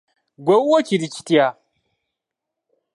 Ggwe ewuwo kiri kitya?